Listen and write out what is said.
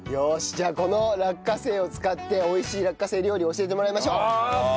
じゃあこの落花生を使って美味しい落花生料理を教えてもらいましょう！